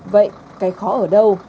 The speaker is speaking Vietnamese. vậy cái khó ở đâu